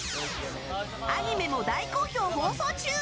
アニメも大好評放送中！